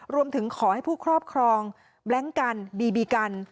รวมถึงขอให้ผู้ครอบครองแบล็งกันบีบีกัน